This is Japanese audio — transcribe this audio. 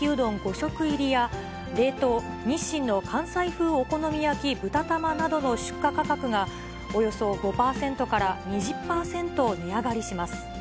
食入りや、冷凍日清の関西風お好み焼ぶた玉などの出荷価格が、およそ５％から２０％値上がりします。